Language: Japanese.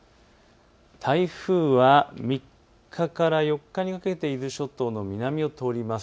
台風は３日から４日にかけて伊豆諸島の南を通ります。